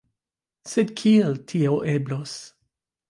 Sed kiel tio eblos?